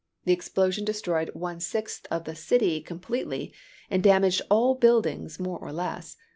The explosion destroyed one sixth of the city completely, and damaged all buildings more or less.